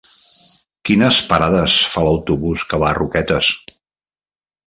Quines parades fa l'autobús que va a Roquetes?